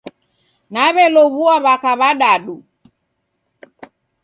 Naw'elow'ua w'aka w'adadu